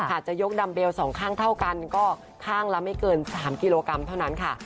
จะยกดัมเบล๒ข้างเท่ากันก็ข้างละไม่เกิน๓กิโลกรัมเท่านั้นค่ะ